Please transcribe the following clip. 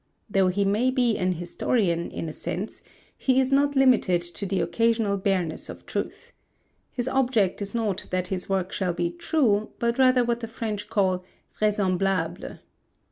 Though he may be an historian, in a sense, he is not limited to the occasional bareness of truth. His object is not that his work shall be true but rather what the French call vraisemblable.